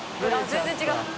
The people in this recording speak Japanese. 全然違う！